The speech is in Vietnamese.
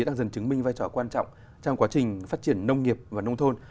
đang dần chứng minh vai trò quan trọng trong quá trình phát triển nông nghiệp và nông thôn